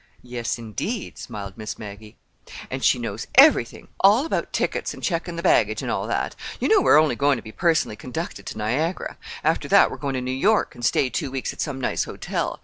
"Yes, indeed," smiled Miss Maggie. "And she knows everything—all about tickets and checking the baggage, and all that. You know we're only going to be personally conducted to Niagara. After that we're going to New York and stay two weeks at some nice hotel.